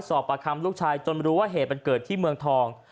สอบปากคำลูกชายจนไม่รู้ว่าเหตุเป็นเกิดที่เมืองทอง